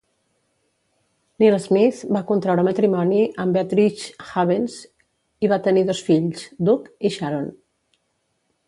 Neal Smith va contraure matrimoni amb Beatrix Havens i va tenir dos fills, Doug i Sharon.